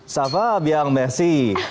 sapa biar mesi